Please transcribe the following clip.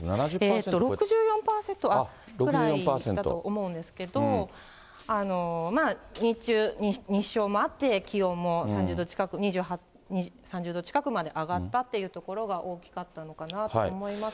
６４％くらいだと思うんですけど、まあ、日中、日照もあって、気温も３０度近く、２８度、３０度近くまで上がったっていうところが大きかったのかなと思います。